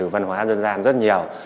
văn hóa dân gian rất nhiều